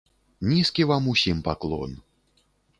Нізкі вам усім паклон!